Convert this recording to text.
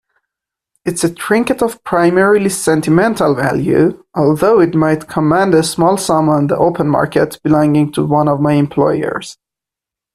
It's a trinket of primarily sentimental value, although it might command a small sum on the open market, belonging to one of my employers.